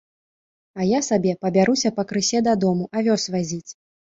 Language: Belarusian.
А я сабе пабяруся пакрысе дадому, авёс вазіць.